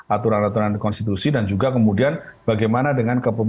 aturan aturan konstitusi dan juga kemudian bagaimana dengan kepemimpinan